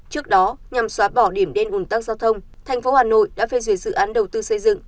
trước đó nhằm xóa bỏ điểm đen ủn tắc giao thông thành phố hà nội đã phê duyệt dự án đầu tư xây dựng